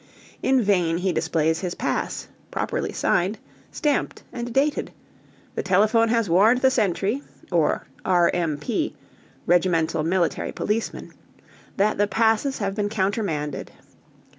In vain he displays his pass, properly signed, stamped and dated: the telephone has warned the sentry (or "R.M.P." Regimental Military Policeman) that the passes have been countermanded.